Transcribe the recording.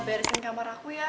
beresin kamar aku ya